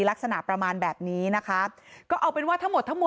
ลักษณะประมาณแบบนี้นะคะก็เอาเป็นว่าทั้งหมดทั้งหมด